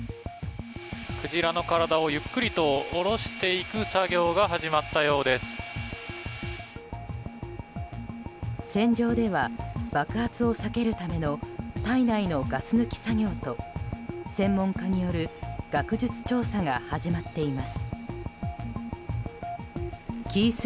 クジラの体をゆっくりと下ろしていく作業が船上では爆発を避けるための体内のガス抜き作業と専門家による学術調査が始まっています。